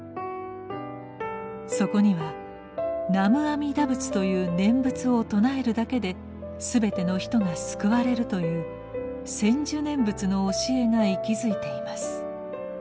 そこには「南無阿弥陀仏」という念仏を称えるだけで全ての人が救われるという「専修念仏」の教えが息づいています。